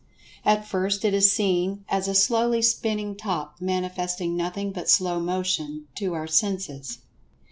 At first it is seen as a slowly spinning Top, manifesting nothing but slow motion, to our senses.